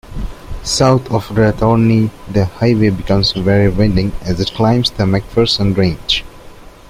South of Rathdowney the highway becomes very winding as it climbs the McPherson Range.